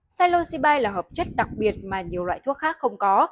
psilocybe là hợp chất đặc biệt mà nhiều loại thuốc khác không có